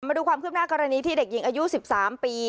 มาดูความคืบหน้ากรณีที่เด็กหญิงอายุ๑๓ปี